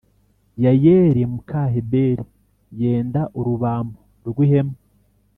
Yayeli muka heberi yenda urubambo rw ihema